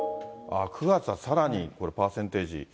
９月はさらにこれ、パーセンテージ。